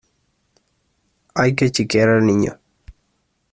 ¡Hay que chiquear al niño!